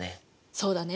そうだね。